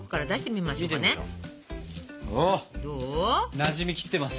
なじみきってます。